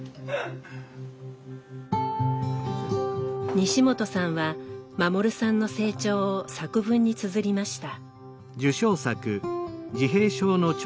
西本さんは護さんの成長を作文につづりました。